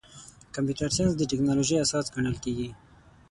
کمپیوټر ساینس د ټکنالوژۍ اساس ګڼل کېږي.